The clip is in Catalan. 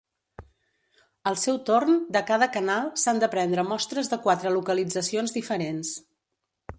Al seu torn, de cada canal, s'han de prendre mostres de quatre localitzacions diferents.